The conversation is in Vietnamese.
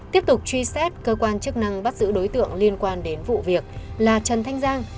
tiếp tục truy xét cơ quan chức năng bắt giữ đối tượng liên quan đến vụ việc là trần thanh giang